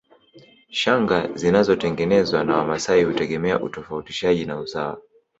Shanga zinazotengenezwa na Wamasai hutegemea utofautishaji na usawa